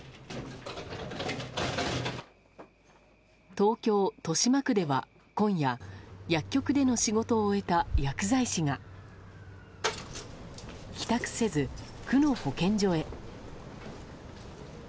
東京・豊島区では今夜薬局での仕事を終えた薬剤師が帰宅せず、区の保健所へ。